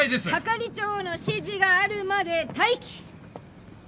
係長の指示があるまで待機。